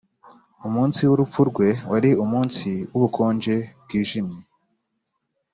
umunsi w'urupfu rwe wari umunsi wubukonje bwijimye.